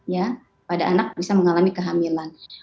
ya pada anak bisa mengalami kehamilan